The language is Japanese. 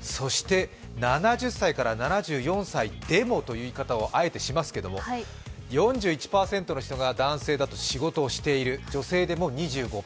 そして７０歳から７４歳でもという言い方をあえてしますけれども、４１％の人が男性だと仕事をしている、女性でも２５％。